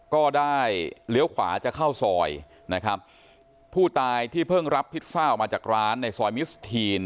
ก็ได้เลี้ยวขวาจะเข้าซอยนะครับผู้ตายที่เพิ่งรับพิซซ่าออกมาจากร้านในซอยมิสทีน